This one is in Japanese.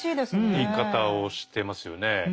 言い方をしてますよね。